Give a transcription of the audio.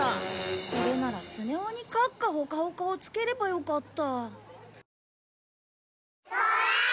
これならスネ夫にカッカホカホカをつければよかった。